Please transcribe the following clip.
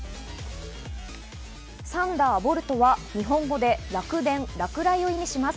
サンダー・ボルトは日本語で雷電、落雷を意味します。